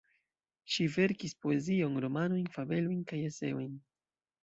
Ŝi verkis poezion, romanojn, fabelojn kaj Eseojn.